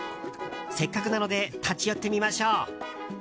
せっかくなので立ち寄ってみましょう。